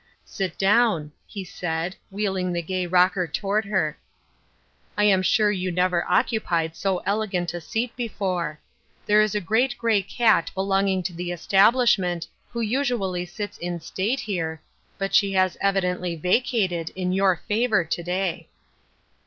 "Sit down," he said, wheeling the gay rocker toward her. " I am sure you never occupied so elegant a seat before. There is a great gray cat belonging to the establishment who usually sits in state here, but she has evidently vacated in your favor to day."